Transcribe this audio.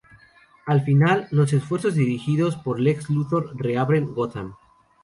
Al final, los esfuerzos dirigidos por Lex Luthor re-abren Gotham.